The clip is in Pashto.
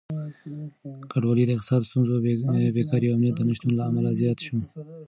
کډوالي د اقتصادي ستونزو، بېکاري او امنيت د نشتون له امله زياته شوه.